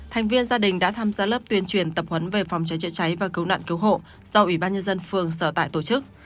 thành viên gia đình đã tham gia lớp tuyên truyền tập huấn về phòng cháy chữa cháy và cứu nạn cứu hộ do ubnd phường sở tại tổ chức